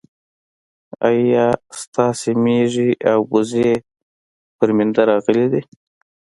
ايا ستاسي ميږي او وزې پر مينده راغلې دي